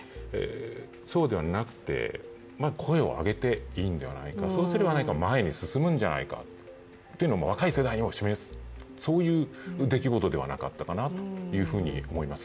そうではなくて、声を上げていいんではないかそうすれば前に進むんじゃないかというのを若い世代にも示す、そういう出来事ではなかったかなと思います。